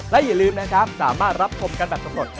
และอย่าลืมนะครับสามารถรับชมกันแบบสำรวจ